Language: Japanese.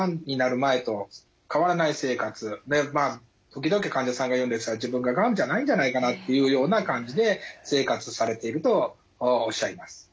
時々患者さんが言うんですが自分ががんじゃないんじゃないかなっていうような感じで生活されているとおっしゃいます。